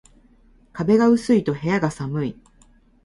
壁が薄いと部屋が寒い